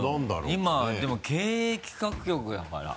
今でも経営企画局だから。